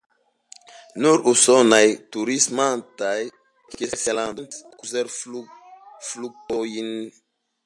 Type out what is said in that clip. Nur usonanoj turismantaj ekster sia lando sentas la kurzfluktuojn.